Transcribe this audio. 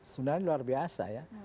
sebenarnya luar biasa ya